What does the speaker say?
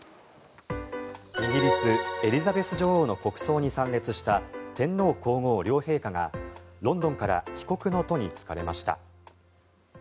イギリスエリザベス女王の国葬に参列した天皇・皇后両陛下がロンドンから帰国の途に就かれました。